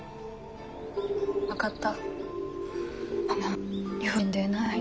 分かった。